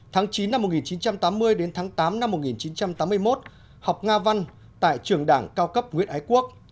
tháng chín năm một nghìn chín trăm tám mươi đến tháng tám năm một nghìn chín trăm tám mươi một học nga văn tại trường đảng cao cấp nguyễn ái quốc